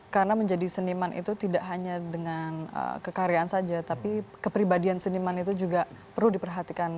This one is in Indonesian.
karena menjadi seniman itu tidak hanya dengan kekaryaan saja tapi kepribadian seniman itu juga perlu diperhatikan